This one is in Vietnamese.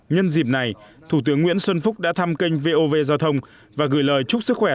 nhân dịp này thủ tướng nguyễn xuân phúc đã thăm kênh vov giao thông và gửi lời chúc sức khỏe